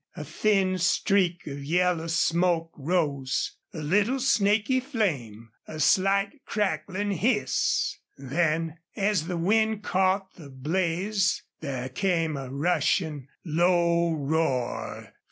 A thin streak of yellow smoke rose a little snaky flame a slight crackling hiss! Then as the wind caught the blaze there came a rushing, low roar.